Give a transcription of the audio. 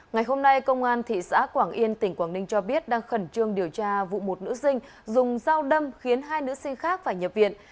ngày hôm nay công an thị xã quảng yên tỉnh quảng ninh cho biết đang khẩn trương điều tra vụ một nữ sinh dùng dao đâm khiến hai nữ sinh khác phải nhập viện